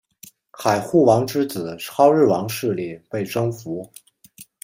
海护王之子超日王势力被征服。